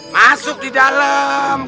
masuk di dalem